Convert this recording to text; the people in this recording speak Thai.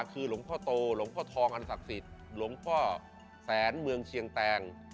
คือหลวงพ่อโตหลวงพ่อทองอันศักดิ์สิทธิ์หลวงพ่อแสนเมืองเชียงแตง